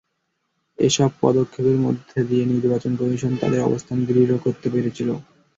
এসব পদক্ষেপের মধ্য দিয়ে নির্বাচন কমিশন তাদের অবস্থান দৃঢ় করতে পেরেছিল।